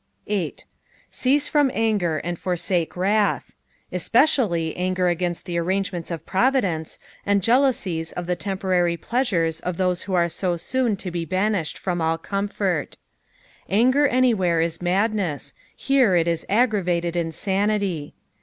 " Ceatt /Tom <atg«T and fortdke iwcrtA." Esneciallj anger against tho gementB of Providence, and jealousies of the temporary pleasures of \ those who are ao soon to bo banished from all comfort. Anger anywhere ia / madneu, here it is aggravated insanity.